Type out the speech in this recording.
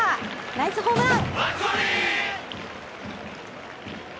ナイスホームラン！